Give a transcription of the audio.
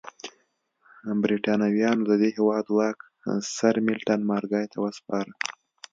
برېټانویانو د دې هېواد واک سرمیلټن مارګای ته وسپاره.